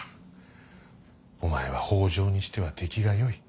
お前は北条にしては出来がよい。